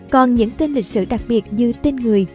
còn những tên lịch sử đặc biệt như tên người